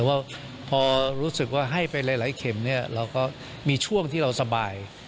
แต่ว่าพอรู้สึกว่าให้ไปหลายเข็มเนี่ยเราก็มีช่วงที่เราสบาย